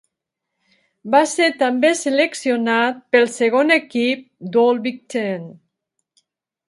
Va ser també seleccionat pel segon equip d'All-Big Ten.